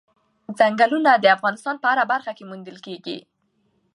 چنګلونه د افغانستان په هره برخه کې موندل کېږي.